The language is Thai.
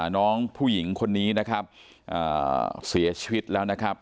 น้องผู้หญิงคนนี้นะครับเสียชีวิตแล้วนะครับ